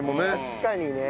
確かにね。